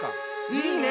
いいね！